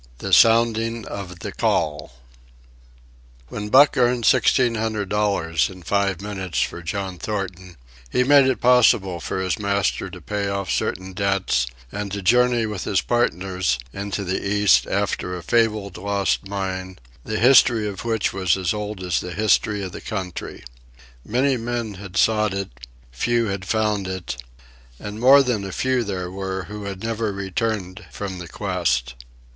The Sounding of the Call When Buck earned sixteen hundred dollars in five minutes for John Thornton, he made it possible for his master to pay off certain debts and to journey with his partners into the East after a fabled lost mine, the history of which was as old as the history of the country. Many men had sought it; few had found it; and more than a few there were who had never returned from the quest.